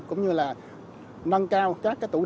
cũng như là nâng cao các tổ chức